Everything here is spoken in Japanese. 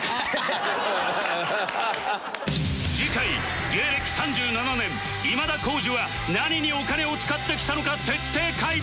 次回芸歴３７年今田耕司は何にお金を使ってきたのか徹底解剖！